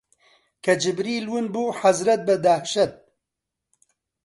کە جیبریل ون بوو، حەزرەت بە دەهشەت